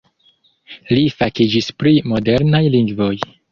Li fakiĝis pri modernaj lingvoj.